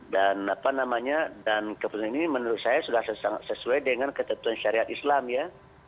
dan apa namanya dan keputusan ini menurut saya sudah sesuai dengan ketentuan syariat islam ya